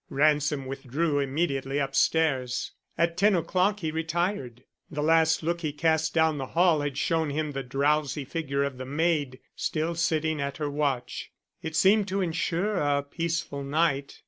Ransom withdrew immediately up stairs. At ten o'clock he retired. The last look he cast down the hall had shown him the drowsy figure of the maid still sitting at her watch. It seemed to insure a peaceful night.